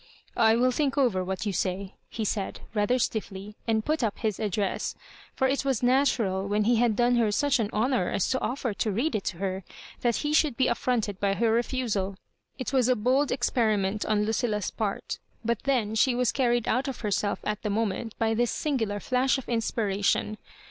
*«I will think over what you say," he said, rather stiffly, and put up his address— for it was natural, when he had done her such an honour as to offer to read it to her, that he should be affronted by her refusal It was a bold experi ment on Lucilla^s part, but then she was carried out of herself at the moment by this singular flash of inspiration.